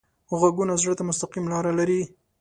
غږونه زړه ته مستقیم لاره لري